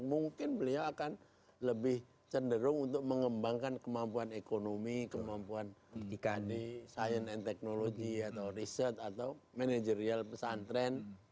mungkin beliau akan lebih cenderung untuk mengembangkan kemampuan ekonomi kemampuan ikd science and technology atau riset atau manajerial pesantren